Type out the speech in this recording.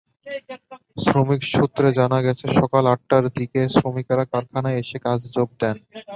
শ্রমিক সূত্রে জানা গেছে, সকাল আটটার দিকে শ্রমিকেরা কারখানায় এসে কাজে যোগ দেন।